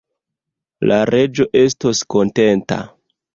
La Reĝo estos kontenta!